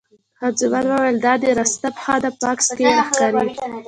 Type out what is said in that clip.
خان زمان وویل: دا دې راسته پښه ده، په عکس کې یې ښکاري.